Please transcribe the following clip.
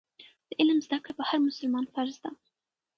د علم زده کړه په هر مسلمان فرض ده.